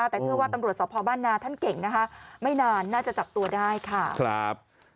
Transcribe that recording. แต่เชื่อว่าตำรวจสพบ้านนาท่านเก่งนะคะไม่นานน่าจะจับตัวได้ค่ะครับ